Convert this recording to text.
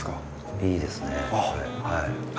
いいですねこれ。